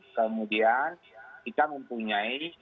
kemudian kita mempunyai